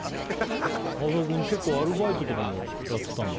赤楚くん結構アルバイトとかもやってたんだ